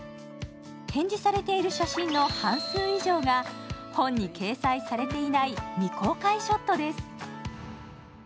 展示されている写真の半数以上が本に掲載されていない未公開ショットです。